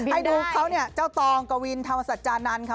ให้ดูเขาเนี่ยเจ้าตองกวินธรรมสัจจานันทร์ค่ะ